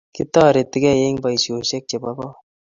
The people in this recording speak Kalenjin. Kitoretigei eng boishoshek chepo kot